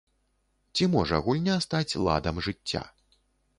Ці можа гульня стаць ладам жыцця?